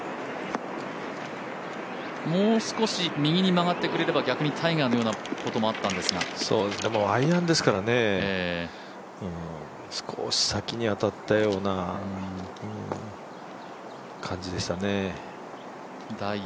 もう少し右に曲がってくれれば、逆にタイガーのようなこともあったんですが。アイアンですからね、少し先に当たったような感じでしたね。